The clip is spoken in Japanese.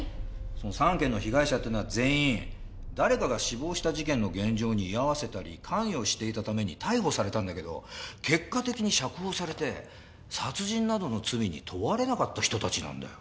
その３件の被害者っていうのは全員誰かが死亡した事件の現場に居合わせたり関与していたために逮捕されたんだけど結果的に釈放されて殺人などの罪に問われなかった人たちなんだよ。